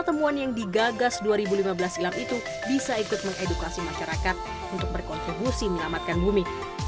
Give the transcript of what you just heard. karena temuan yang digagas dua ribu lima belas silam itu bisa ikut mengedukasi masyarakat untuk berkonsumusi melamatkan bumi